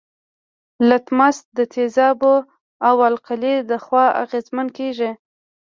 لتمس د تیزاب او القلي له خوا اغیزمن کیږي.